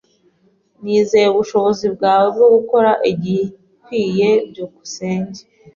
Nizeye ubushobozi bwawe bwo gukora igikwiye. byukusenge